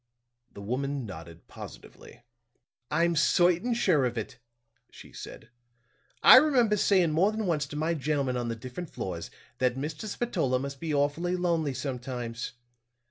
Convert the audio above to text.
The woman nodded positively. "I'm certain sure of it," she said. "I remember saying more than once to my gentlemen on the different floors, that Mr. Spatola must be awfully lonely sometimes.